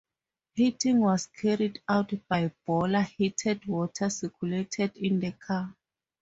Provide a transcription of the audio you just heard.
Heating was carried out by boiler heated water circulated in the car.